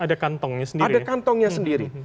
ada kantongnya sendiri